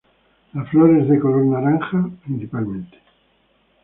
La flor es de color naranja principalmente.